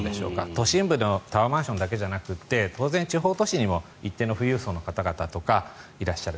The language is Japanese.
都心部のタワーマンションだけじゃなくて当然、地方都市にも一定の富裕層の方とかいらっしゃる。